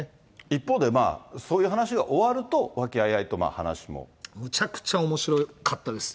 一方で、そういう話が終わると、和気あいあいと話も。むちゃくちゃおもしろかったです。